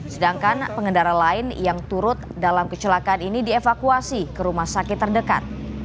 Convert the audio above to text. sedangkan pengendara lain yang turut dalam kecelakaan ini dievakuasi ke rumah sakit terdekat